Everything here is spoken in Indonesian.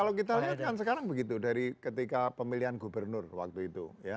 kalau kita lihat kan sekarang begitu dari ketika pemilihan gubernur waktu itu